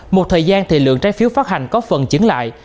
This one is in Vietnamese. một thời gian thì lượng trái phiếu phát hành có phần chứng lại